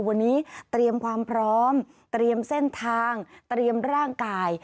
วันนี้เตรียมความพร้อมเตรียมเส้นทางเตรียมร่างกาย